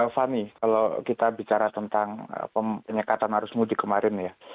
fani kalau kita bicara tentang penyekatan arus mudik kemarin ya